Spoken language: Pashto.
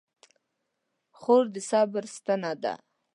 خور د صبر ستنه ده.